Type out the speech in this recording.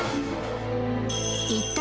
一体